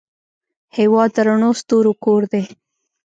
هېواد د رڼو ستورو کور دی.